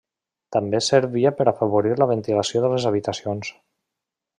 També servia per afavorir la ventilació de les habitacions.